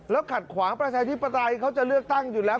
ขัดขวางประชาธิปไตยเขาจะเลือกตั้งอยู่แล้ว